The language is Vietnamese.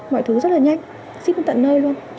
mọi thứ rất là nhanh xíp đến tận nơi luôn